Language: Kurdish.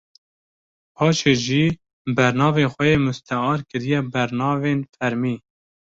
paşê jî bernavê xwe yê mustear kiriye bernavê fermî